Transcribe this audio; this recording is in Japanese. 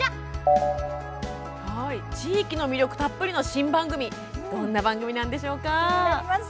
地域の魅力たっぷりの新番組ってどんな番組なんでしょうか？